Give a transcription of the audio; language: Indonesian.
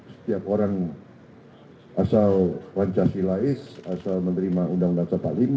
setiap orang asal pancasilaes asal menerima undang undang empat puluh lima